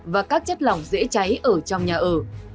và các chất lỏng dễ cháy ở trong nhà ở